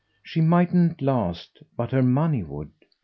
SHE mightn't last, but her money would.